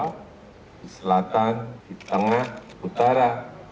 di selatan di tengah utara